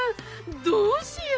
どうしよう！